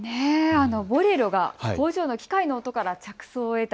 ボレロが工場の機械の音着想を得た。